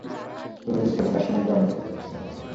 তিনি বিখ্যাত দার্শনিক গ্রন্থ কিতাবুশ শিফা রচনা করেন।